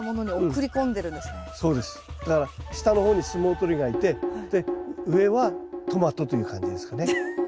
だから下の方に相撲取りがいてで上はトマトという感じですかね。